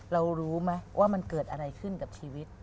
รู้ไหมว่ามันเกิดอะไรขึ้นกับชีวิต